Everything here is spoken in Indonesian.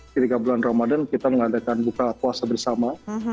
ketika bulan ramadan kita mengadakan buka puasa bersama